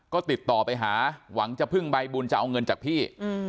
ก็ติดต่อไปหาหวังจะพึ่งใบบุญจะเอาเงินจากพี่